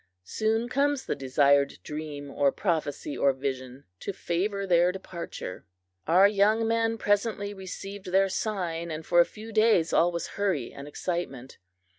Soon comes the desired dream or prophecy or vision to favor their departure. Our young men presently received their sign, and for a few days all was hurry and excitement.